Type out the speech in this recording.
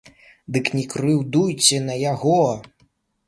Дык не крыўдуйце на яго!